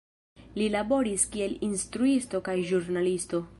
Li laboris kiel instruisto kaj ĵurnalisto.